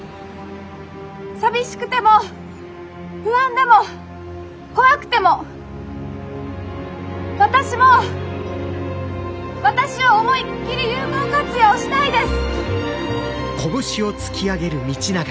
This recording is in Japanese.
寂しくても不安でも怖くても私も私を思いっきり有効活用したいです！